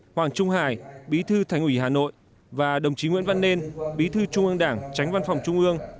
hoàng trung hải bí thư thành ủy hà nội và đồng chí nguyễn văn nên bí thư trung ương đảng tránh văn phòng trung ương